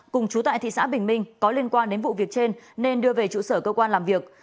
cùng chú tại thị xã bình minh có liên quan đến vụ việc trên nên đưa về trụ sở cơ quan làm việc